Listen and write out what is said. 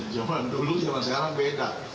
jaman dulu jaman sekarang beda